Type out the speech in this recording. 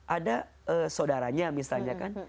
ada saudaranya misalnya kan